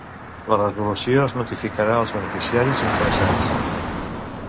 La resolució es notificarà als beneficiaris interessats.